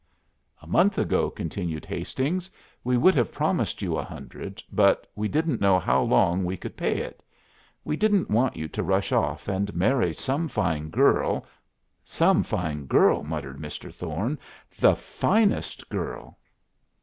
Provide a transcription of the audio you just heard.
"A month ago," continued Hastings, "we could have promised you a hundred, but we didn't know how long we could pay it. We didn't want you to rush off and marry some fine girl " "Some fine girl!" muttered Mr. Thorne. "The Finest Girl!"